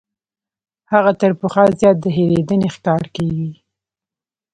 هغه تر پخوا زیات د هېرېدنې ښکار کیږي.